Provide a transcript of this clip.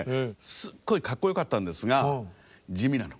すっごいかっこよかったんですが地味なの。